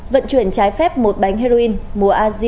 vận chuyển trái phép một bánh heroin mùa asia